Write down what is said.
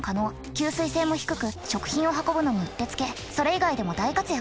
吸水性も低く食品を運ぶのにうってつけそれ以外でも大活躍。